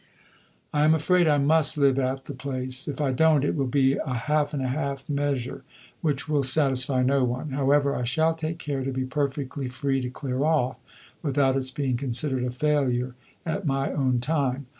I am afraid I must live at the place. If I don't, it will be a half and half measure which will satisfy no one. However, I shall take care to be perfectly free to clear off, without its being considered a failure, at my own time.